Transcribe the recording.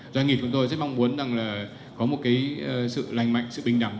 doanh nghiệp chúng tôi rất mong muốn rằng là có một cái sự lành mạnh sự bình đẳng